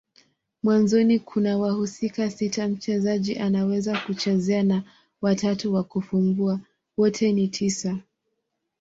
Mwanzoni kuna wahusika sita mchezaji anaweza kuchezea na watatu wa kufumbua. Wote ni tisa.